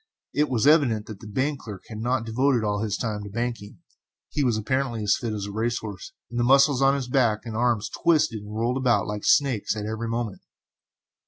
It was evident that the bank clerk had not devoted all his time to banking; he was apparently as fit as a race horse, and the muscles of his back and arms twisted and rolled about like snakes, at every movement.